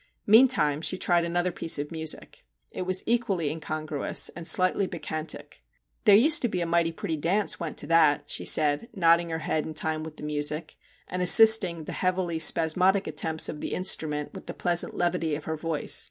Meantime she tried another piece of music. It was equally incongruous and slightly Bac chantic. 'There used to be a mighty pretty dance went to that/ she said, nodding her head in time with the music, and assisting the heavily spasmodic attempts of the instrument with the pleasant levity of her voice.